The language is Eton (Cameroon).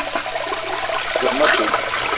Djock ma pom